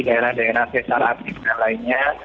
dari artikel lainnya